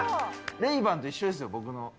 レイバンと一緒ですよ、僕の。